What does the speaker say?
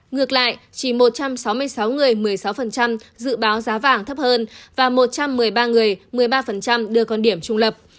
ngược lại chỉ một trăm sáu mươi sáu người một mươi sáu dự báo giá vàng thấp hơn và một trăm một mươi ba người một mươi ba đưa con điểm trung lập